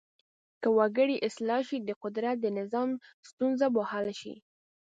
که وګړي اصلاح شي د قدرت د نظام ستونزه به حل شي.